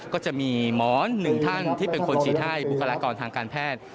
ก็จะมีหมอนหนึ่งท่านที่เป็นคนฉีดให้บุคลากรทางการแพทย์